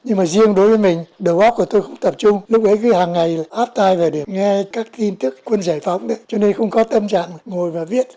nhưng mà riêng đối với mình đầu góp của tôi cũng tập trung lúc ấy cứ hàng ngày là áp tay vào để nghe các tin tức quân giải phóng cho nên không có tâm trạng ngồi và viết